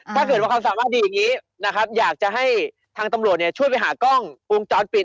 ถ้าเกิดว่าความสามารถดีอย่างนี้นะครับอยากจะให้ทางตำรวจเนี่ยช่วยไปหากล้องวงจรปิด